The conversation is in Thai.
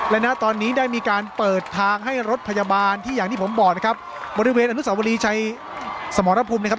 และณตอนนี้ได้มีการเปิดทางให้รถพยาบาลที่อย่างที่ผมบอกนะครับบริเวณอนุสาวรีชัยสมรภูมินะครับ